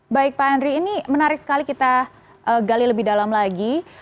baik pak henry ini menarik sekali kita gali lebih dalam lagi